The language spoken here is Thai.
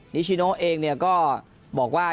นิชิโนเองเนี่ยก็บอกว่า